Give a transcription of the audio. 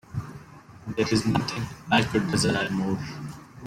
There is nothing I could desire more.